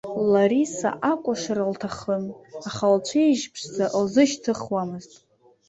Лариса акәашара лҭахын, аха лцәеижь ԥшӡа лзышьҭыхуамызт.